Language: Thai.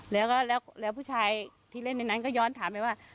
แล้วก็แล้วผู้ชายที่เล่นในนั้นก็ย้อนถามไปว่า